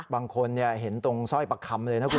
บางคนเห็นตรงสร้อยประคำเลยนะคุณ